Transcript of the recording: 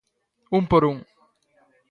Un por un.